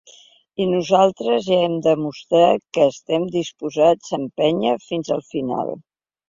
I nosaltres ja hem demostrat que estem disposats a empènyer fins al final.